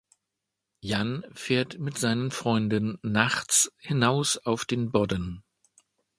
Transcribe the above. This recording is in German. Jan fährt mit seinen Freunden nachts hinaus auf den Bodden.